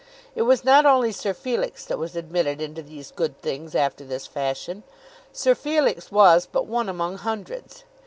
It was not only Sir Felix that was admitted into these good things after this fashion. Sir Felix was but one among hundreds.